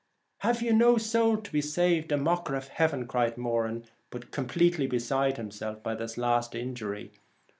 * Have you no sowl to be saved, you mocker of heaven ?' cried Moran, put completely beside himself by this last injury.